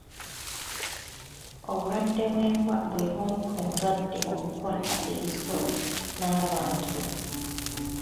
Obulwadde bw'embwa bwe bumu ku ndwadde obukwata ebisolo n'abantu.